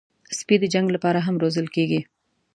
سپي د جنګ لپاره هم روزل کېږي.